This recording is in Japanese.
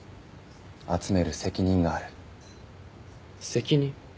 集める責任がある責任？